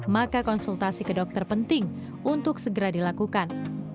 maka konsultasi ke dokter penting untuk segera dilakukan